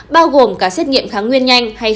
bao gồm cả xét nghiệm omicron